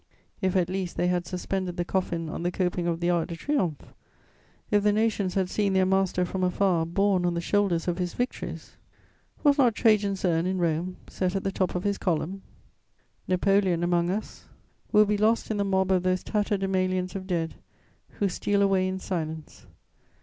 If, at least, they had suspended the coffin on the coping of the Arc de Triomphe, if the nations had seen their master from afar borne on the shoulders of his victories? Was not Trajan's urn in Rome set at the top of his column? Napoleon, among us, will be lost in the mob of those tatterdemalions of dead who steal away in silence.